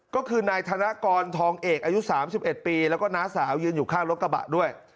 ก็คือนายธนกรทองเอกอายุ๓๑ปีแล้วก็น้าสาวยืนอยู่ข้างรถกระบะด้วย